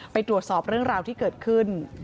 ไปตรวจสอบเรื่องราวที่เกิดขึ้น